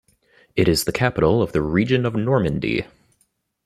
It is the capital of the region of Normandy.